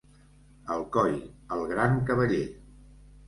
Alcoi, el gran cavaller.